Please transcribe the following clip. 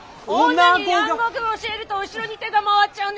女に蘭学教えると後ろに手が回っちゃうんでしょ？